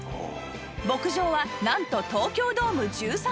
牧場はなんと東京ドーム１３個分の広さ